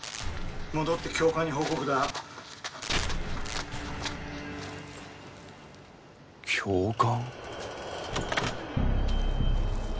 「戻って教官に報告だ」教官？